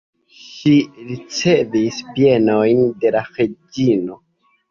Ŝi ricevis bienojn de la reĝino.